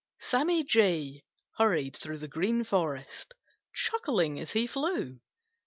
Sammy Jay hurried through the Green Forest, chuckling as he flew.